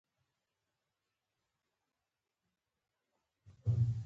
زه د انلاین فلمونه ګورم.